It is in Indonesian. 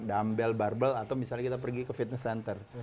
dumbel barbel atau misalnya kita pergi ke fitness center